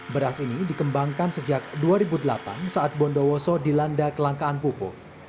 beras ini dikembangkan sejak dua ribu delapan saat bondowoso dilanda kelangkaan pupuk